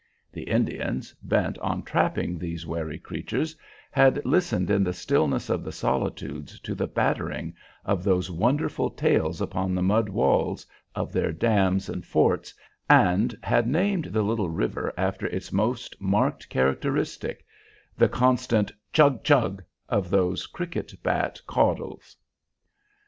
The Indians, bent on trapping these wary creatures, had listened in the stillness of the solitudes to the battering of those wonderful tails upon the mud walls of their dams and forts, and had named the little river after its most marked characteristic, the constant "chug, chug" of those cricket bat caudals.